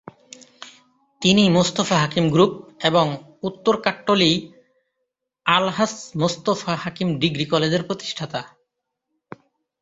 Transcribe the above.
তিনি মোস্তফা হাকিম গ্রুপ এবং উত্তর কাট্টলী আলহাজ্ব মোস্তফা হাকিম ডিগ্রী কলেজের প্রতিষ্ঠাতা।